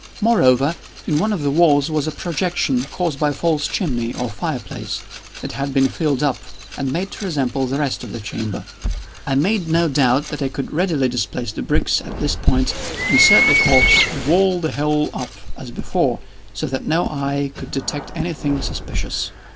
Moreover, in one of the walls was a projection, caused by a false chimney, or fireplace, that had been filled up, and made to resemble the red of the cellar. I made no doubt that I could readily displace the bricks at this point, insert the corpse, and wall the whole up as before, so that no eye could detect any thing suspicious.